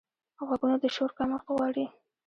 غوږونه د شور کمښت غواړي